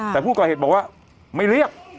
แต่ผู้ก่อเหตุบอกว่าไม่เรียก